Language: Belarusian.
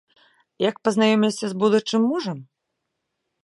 Як пазнаёмілася з будучым мужам?